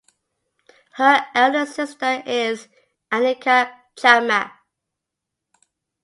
Her elder sister is Anika Chakma.